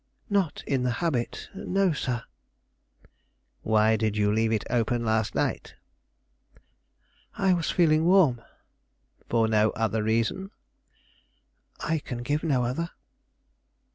"Not in the habit; no, sir." "Why did you leave it open last night?" "I was feeling warm." "No other reason?" "I can give no other."